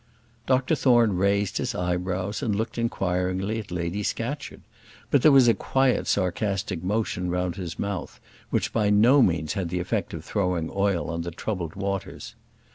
Dr Thorne raised his eyebrows and looked inquiringly at Lady Scatcherd; but there was a quiet sarcastic motion round his mouth which by no means had the effect of throwing oil on the troubled waters.